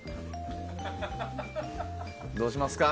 どうしますか？